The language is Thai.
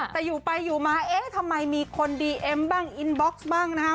แต่อยู่ไปอยู่มาเอ๊ะทำไมมีคนดีเอ็มบ้างอินบ็อกซ์บ้างนะฮะ